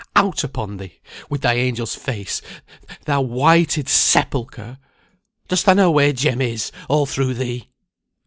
Out upon thee, with thy angel's face, thou whited sepulchre! Dost thou know where Jem is, all through thee?"